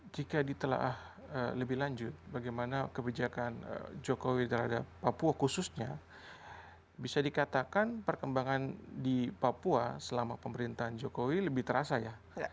jika ditelah lebih lanjut bagaimana kebijakan jokowi terhadap papua khususnya bisa dikatakan perkembangan di papua selama pemerintahan jokowi lebih terasa ya